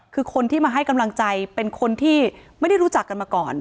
คือคนที่มาให้กำลังใจเป็นคนที่ไม่ได้รู้จักกันมาก่อน